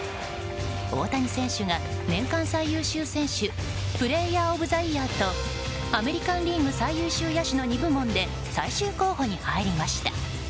大谷選手が年間最優秀選手プレーヤー・オブ・ザ・イヤーとアメリカン・リーグ最優秀野手の２部門で最終候補に入りました。